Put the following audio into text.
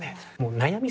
悩み